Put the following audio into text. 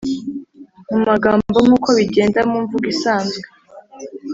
mu magambo nk’uko bigenda mu mvugo isanzwe,